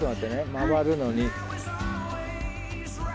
回るのに。